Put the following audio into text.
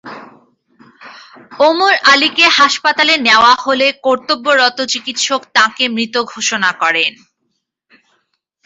ওমর আলীকে হাসপাতালে নেওয়া হলে কর্তব্যরত চিকিৎসক তাঁকে মৃত ঘোষণা করেন।